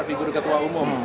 figur ketua umum